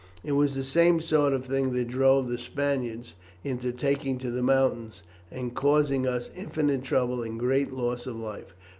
It was the same sort of thing that drove the Spaniards into taking to the mountains, and causing us infinite trouble and great loss of life.